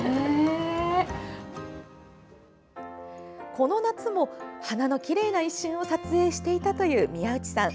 この夏も花のきれいな一瞬を撮影していたという、宮内さん。